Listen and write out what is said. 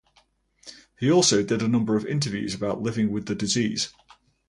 He also did a number of interviews about living with the disease.